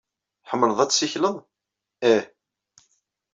Tḥemmleḍ ad tessikleḍ? Ih.